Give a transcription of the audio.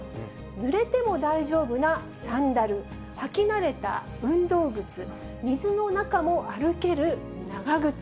ぬれても大丈夫なサンダル、履き慣れた運動靴、水の中も歩ける長靴。